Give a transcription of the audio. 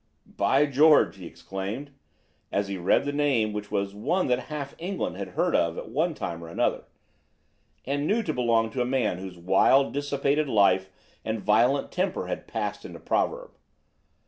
"By George!" he exclaimed, as he read the name which was one that half England had heard of at one time or another, and knew to belong to a man whose wild, dissipated life and violent temper had passed into proverb.